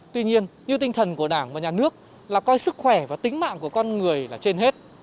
tuy nhiên như tinh thần của đảng và nhà nước là coi sức khỏe và tính mạng của con người là trên hết